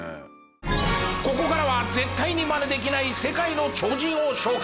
ここからは絶対にマネできない世界の超人を紹介！